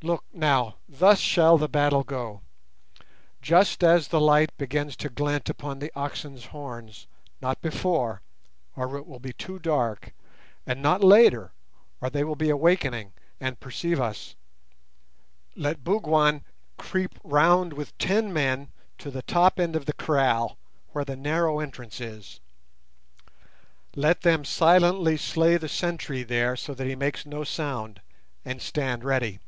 Look, now; thus shall the battle go. Just as the light begins to glint upon the oxen's horns—not before, or it will be too dark, and not later, or they will be awakening and perceive us—let Bougwan creep round with ten men to the top end of the kraal, where the narrow entrance is. Let them silently slay the sentry there so that he makes no sound, and stand ready.